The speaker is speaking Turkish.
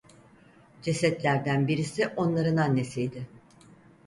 Cesetlerden birisi onların annesiydi.